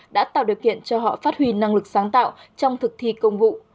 đã tạo điều kiện cho họ phát huy năng lực sáng tạo trong thực thi công vụ